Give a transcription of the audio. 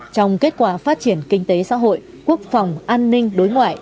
trong kết quả phát triển kinh tế xã hội quốc phòng an ninh đối ngoại